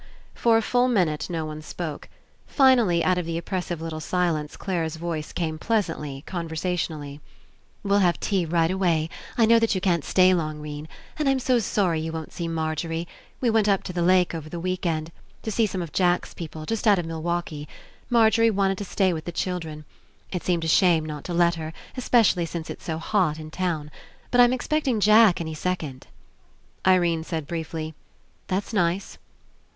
For a full minute no one spoke. Finally out of the oppressive little silence Clare's voice came pleasantly, conversationally: "We'll have tea right away. I know that you can't stay long, 'Rene. And I'm so sorry you won't see Mar gery. We went up the lake over the week end to see some of Jack's people, just out of Mil waukee. Margery wanted to stay with the children. It seemed a shame not to let her, es pecially since It's so hot In town. But I'm ex pecting Jack any second." Irene said briefly: "That's nice."